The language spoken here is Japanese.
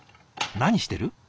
何してる？